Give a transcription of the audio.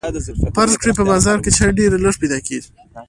فرض کړئ په بازار کې چای ډیر لږ پیدا کیږي.